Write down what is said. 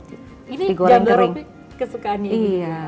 ini jambal roti kesukaannya gitu ya